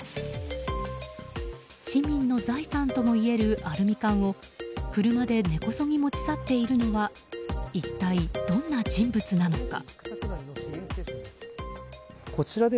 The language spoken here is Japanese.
市民の財産ともいえるアルミ缶を車で根こそぎ持ち去っているのは一体どんな人物なのか。